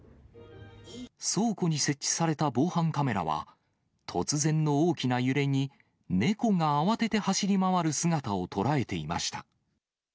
倉庫に設置された防犯カメラは、突然の大きな揺れに、猫が慌てて走り回る姿を捉えていました。